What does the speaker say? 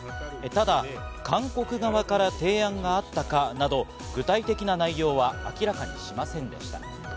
ただ、韓国側から提案があったかなど具体的な内容は明らかにしませんでした。